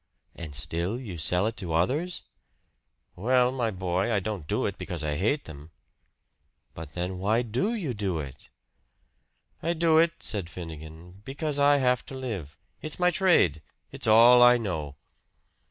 "And still you sell it to others?" "Well, my boy, I don't do it because I hate them." "But then, why DO you do it?" "I do it," said Finnegan, "because I have to live. It's my trade it's all I know."